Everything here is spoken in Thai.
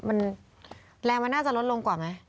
มันแรงมันน่าจะลดลงกว่าไหม